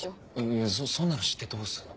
いやそんなの知ってどうすんの？